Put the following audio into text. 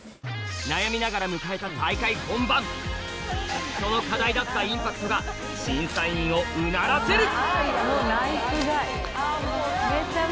悩みながら迎えた大会本番その課題だったインパクトが審査員をうならせる！